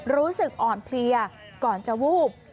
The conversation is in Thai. รู้สึกอ่อนเพลียก่อนจะวูบ